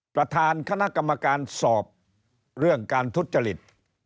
ประธานคณะกรรมการสอบเรื่องการทุจริต